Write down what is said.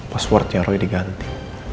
passwordnya roy diganti